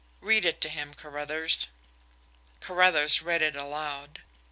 "Read it to him, Carruthers." Carruthers read it aloud.